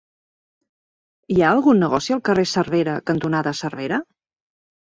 Hi ha algun negoci al carrer Cervera cantonada Cervera?